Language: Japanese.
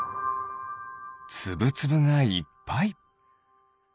つぶつぶがいっぱい。